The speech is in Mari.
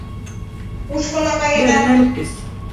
Кушкыла каена?